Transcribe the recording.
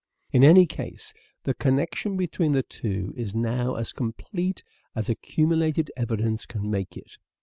In any case, the connection between the two is now as complete as accumulated evidence can make it.